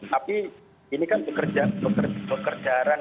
tapi ini kan pekerjaan